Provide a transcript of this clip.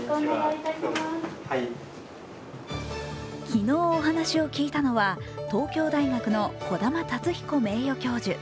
昨日お話を聞いたのは東京大学の児玉龍彦名誉教授。